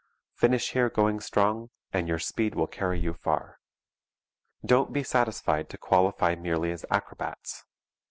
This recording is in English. Finish here going strong, and your speed will carry you far. Don't be satisfied to qualify merely as acrobats.